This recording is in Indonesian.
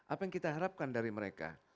apa yang kita harapkan dari mereka